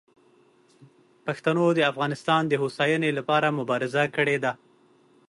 پښتنو د افغانستان د هوساینې لپاره مبارزه کړې ده.